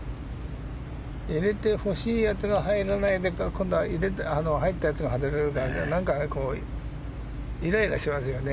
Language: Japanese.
入れてほしいやつが入らないで今度は入ったやつが外れるってなんかこうイライラしますよね。